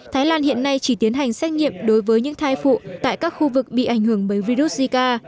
thái lan hiện nay chỉ tiến hành xét nghiệm đối với những thai phụ tại các khu vực bị ảnh hưởng bởi virus zika